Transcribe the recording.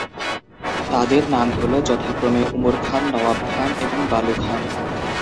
তাদের নাম হল যথাক্রমে: উমর খান, নওয়াব খান এবং বালু খান।